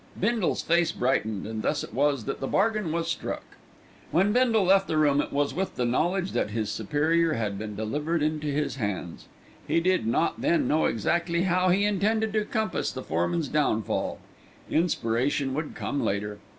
Bindle's face brightened, and thus it was that the bargain was struck. When Bindle left the room it was with the knowledge that his superior had been delivered into his hands. He did not then know exactly how he intended to compass the foreman's downfall. Inspiration would come later.